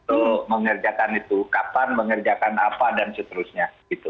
untuk mengerjakan itu kapan mengerjakan apa dan seterusnya